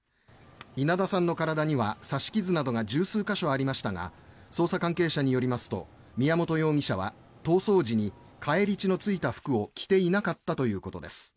稲田さんの体には刺し傷などが１０数か所ありましたが捜査関係者によりますと宮本容疑者は、逃走時に返り血のついた服を着ていなかったということです。